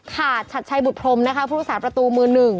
ขาดชัดใช้บุตรพรมนะคะผู้ที่สาดประตูมือ๑